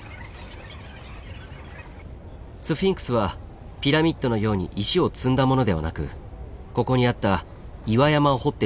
スフィンクスはピラミッドのように石を積んだものではなくここにあった岩山を彫ってつくられた巨大な彫刻なんですよ。